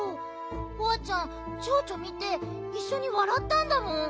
ホワちゃんちょうちょみていっしょにわらったんだもん。